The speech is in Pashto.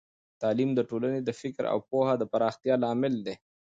تعليم د ټولنې د فکر او پوهه د پراختیا لامل دی.